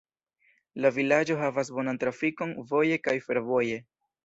La vilaĝo havas bonan trafikon voje kaj fervoje.